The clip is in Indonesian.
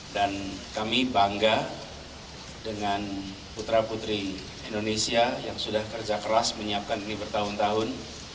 dan kami bangga dengan putra putri indonesia yang sudah kerja keras menyiapkan ini bertahun tahun